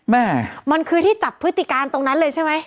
แม่มันคือที่จับพฤติการตรงนั้นเลยใช่ไหม